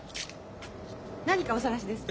何かお探しですか？